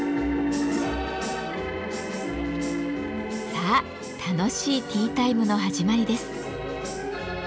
さあ楽しいティータイムの始まりです。